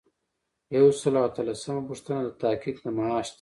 یو سل او اتلسمه پوښتنه د تحقیق د معاش ده.